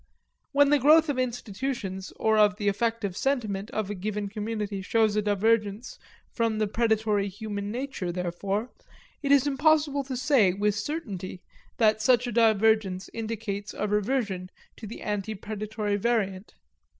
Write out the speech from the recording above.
When the growth of institutions or of the effective sentiment of a given community shows a divergence from the predatory human nature, therefore, it is impossible to say with certainty that such a divergence indicates a reversion to the ante predatory variant.